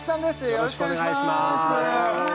よろしくお願いします